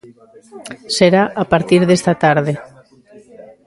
Será a partir desta tarde.